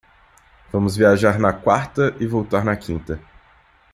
Vamos viajar na quarta e voltar na quinta